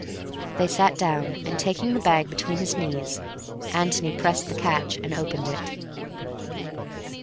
They sat down, and taking the bag between his knees, Antony pressed the catch and opened it.